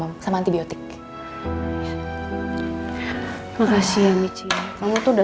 yangny hanya karena enggak apa apa